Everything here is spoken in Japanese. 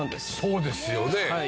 そうですよね。